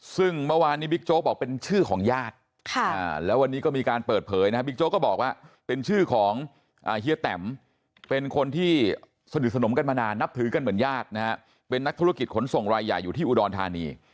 ซึ่งเมื่อวานนี้บิ๊กโจ๊กบอกเป็นชื่อของญาติแล้ววันนี้ก็มีการเปิดเผยนะฮะบิ๊กโจ๊กก็บอกว่าเป็นชื่อของเฮียแตมเป็นคนที่สนิทสนมกันมานานนับถือกันเหมือนญาตินะฮะเป็นนักธุรกิจขนส่งรายใหญ่อยู่ที่อุดรธานี